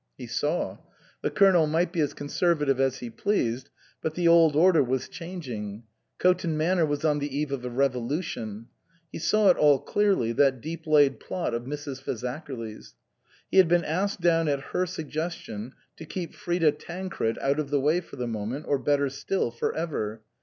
He saw. The Colonel might be as conserva tive as he pleased ; but the old order was chang ing ; Coton Manor was on the eve of a revolu tion. He saw it all clearly, that deep laid plot of Mrs. Fazakerly's. He had been asked down at her suggestion to keep Frida Tancred out of the way for the moment, or better still, for ever.